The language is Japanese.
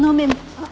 あっ。